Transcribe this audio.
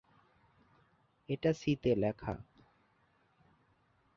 এটা সি তে লেখা।